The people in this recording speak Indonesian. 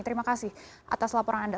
terima kasih atas laporan anda